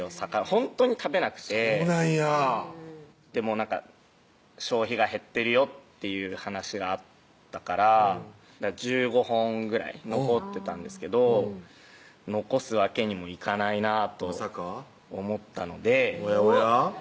ほんとに食べなくてそうなんや「消費が減ってるよ」っていう話があったから１５本ぐらい残ってたんですけど残すわけにもいかないなとまさか思ったのでおやおや？